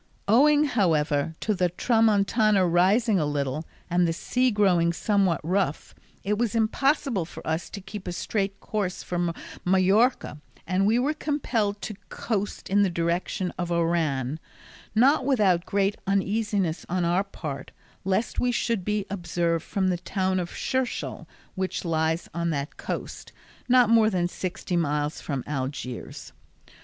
Owing, however, to the Tramontana rising a little, and the sea growing somewhat rough, it was impossible for us to keep a straight course for Majorca, and we were compelled to coast in the direction of Oran, not without great uneasiness on our part lest we should be observed from the town of Shershel, which lies on that coast, not more than sixty miles from Algiers.